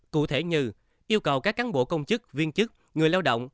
cụ thể như yêu cầu các cán bộ công chức viên chức người lao động